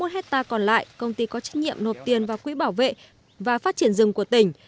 một trăm một mươi ba sáu mươi một hectare còn lại công ty có trách nhiệm nộp tiền vào quỹ bảo vệ và phát triển rừng của tỉnh